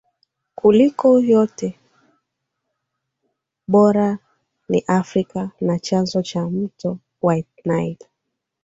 kuliko yote Barani Afrika na chanzo cha mto White Nile